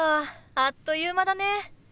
あっという間だね。